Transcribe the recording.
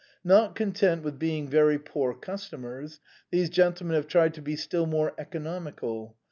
Not content with being very poor customers, these gentlemen have tried to be still more economical.